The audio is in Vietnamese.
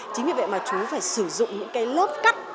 chính vì vậy mà chúng phải sử dụng những cái lớp cắt